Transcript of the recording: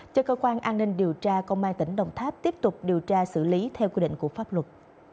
cho cơ quan an ninh điều tra công an tỉnh đồng tháp tiếp tục điều tra xử lý theo quy định của pháp luật